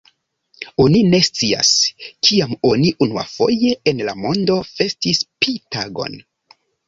Oni ne scias, kiam oni unuafoje en la mondo festis Pi-tagon.